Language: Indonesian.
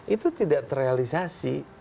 itu tidak terrealisasikan lagi oke